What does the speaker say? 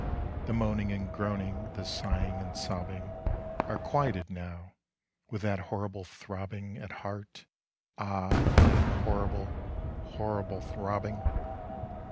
The moaning and groaning, The sighing and sobbing, Are quieted now, With that horrible throbbingAt heart—ah, that horrible, Horrible throbbing!